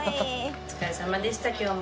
お疲れさまでした今日も。